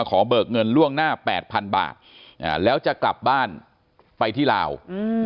ขอเบิกเงินล่วงหน้าแปดพันบาทอ่าแล้วจะกลับบ้านไปที่ลาวอืม